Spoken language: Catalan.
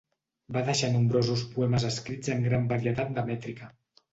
Va deixar nombrosos poemes escrits en gran varietat de mètrica.